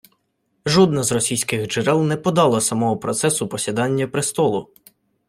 Жодне з російських джерел не подало самого процесу посідання престолу